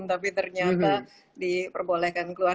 tapi ternyata diperbolehkan keluar